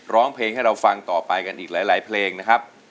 ร้องเพลงให้เราฟังต่อไปกันอีกหลายเพลงนะครับ